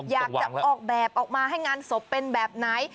อยากจะออกแบบออกมาให้งานศพเป็นแบบไหน